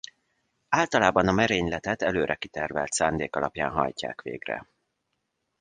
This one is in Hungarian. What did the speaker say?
Általában a merényletet előre kitervelt szándék alapján hajtják végre.